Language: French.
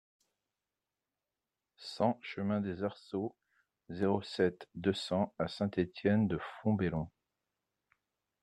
cent chemin des Arceaux, zéro sept, deux cents à Saint-Étienne-de-Fontbellon